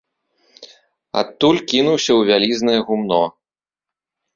Адтуль кінуўся ў вялізнае гумно.